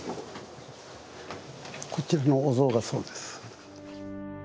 こちらのお像がそうです。